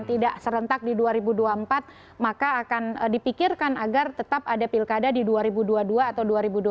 tidak serentak di dua ribu dua puluh empat maka akan dipikirkan agar tetap ada pilkada di dua ribu dua puluh dua atau dua ribu dua puluh